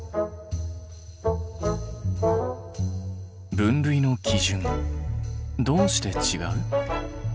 分類の基準どうして違う？